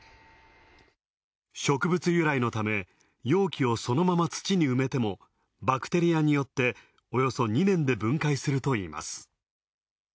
植物由来のため、容器をそのまま土に埋めても、バクテリアによって、およそ２年で分解するといいます。